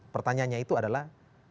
pertanyaannya itu adalah